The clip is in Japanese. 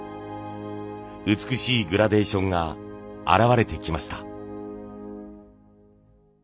美しいグラデーションが表れてきました。